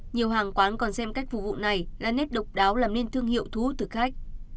nhiều hàng quán còn xem cách phục vụ này là nét độc đáo làm nên thương hiệu thú thức khách